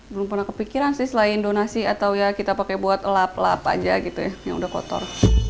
belum pernah kepikiran sih selain donasi atau ya kita pakai buat lap lap aja gitu ya yang udah kotor